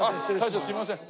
大将すいません。